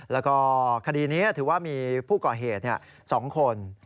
แล้วก็คดีนี้ถือว่ามีผู้ก่อเหตุ๒คน